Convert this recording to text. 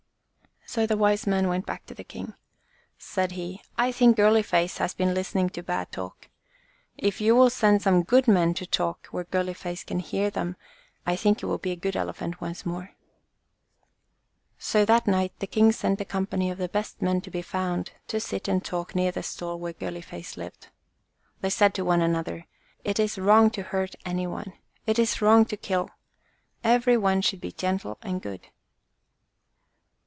So the wise man went back to the king. Said he, "I think Girly face has been listening to bad talk. If you will send some good men to talk where Girly 55 THE ELEPHANT GIRLY FACE face can hear them I think he will be a good Elephant once more.' So that night the king sent a company of the best men to be found to sit and talk near the stall where Girly face lived. They said to one another, "It is wrong to hurt any one. It is wrong to kill. Every one should be gentle and good."